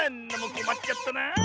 こまっちゃったなあ。